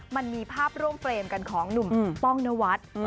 มันมีภาพร่วมเฟรมกันของหนุ่มป้องนวัฒน์